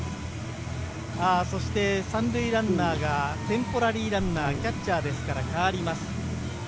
３塁ランナーがテンポラリーランナー、キャッチャーですから代わります。